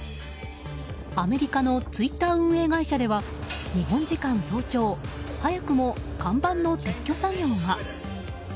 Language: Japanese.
アメリカのツイッター運営会社では日本時間早朝早くも看板の撤去作業が。